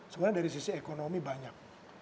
sebenarnya dari sisi ekonomi banyak